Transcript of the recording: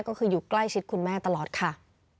ก็คืออยู่ใกล้ชิดคุณแม่ตลอดค่ะ